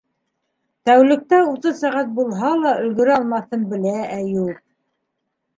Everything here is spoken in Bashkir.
Тәүлектә утыҙ сәғәт булһа ла өлгөрә алмаҫын белә Әйүп.